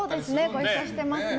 ご一緒してますね。